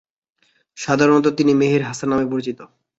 সাধারণত তিনি মেহের হাসান নামে পরিচিত।